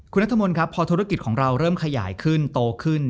คุณนัทมนต์ครับพอธุรกิจของเราเริ่มขยายขึ้นโตขึ้น